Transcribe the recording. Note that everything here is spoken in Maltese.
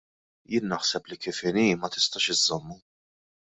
Jien naħseb li kif inhi ma tistax iżżommu.